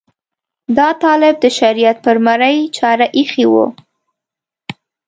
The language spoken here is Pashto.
دا طالب د شریعت پر مرۍ چاړه ایښې وه.